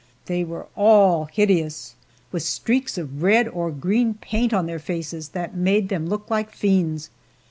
They were all hideous with streaks of red or green paint on their faces that made them look like fiends.